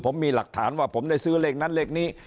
ผมมีหลักฐานว่าผมได้ซื้อเลขนั้นเลขนี้